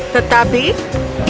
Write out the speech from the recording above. tetapi itu ditawarkan